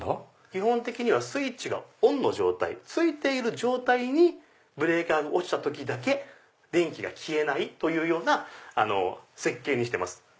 基本的にスイッチがオンの状態ついている状態でブレーカーが落ちた時だけ電気が消えない設計にしてます。